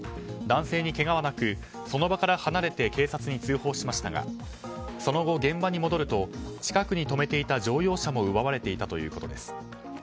男性にけがはなくその場から離れて警察に通報しましたがその後、現場に戻ると近くに止めていた乗用車も奪われていたということです。